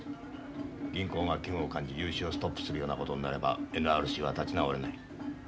銀行が危惧を感じ融資をストップするようなことになればＮＲＣは立ち直れない。